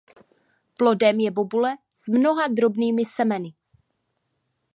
Plodem je bobule s mnoha drobnými semeny.